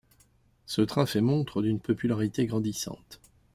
Ce train fait montre d'une popularité grandissante.